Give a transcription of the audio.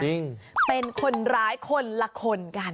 จริงเป็นคนร้ายคนละคนกัน